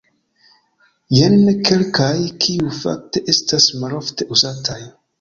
Jen kelkaj, kiuj fakte estas malofte uzataj.